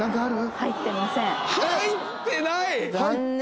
入ってない。